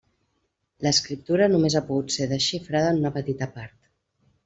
L'escriptura només ha pogut ser desxifrada en una petita part.